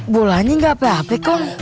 bukanya gak apa apa